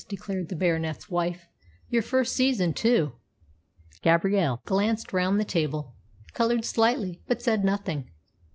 declared the Baronet's wife. "Your first season, too!" Gabrielle glanced round the table, coloured slightly, but said nothing.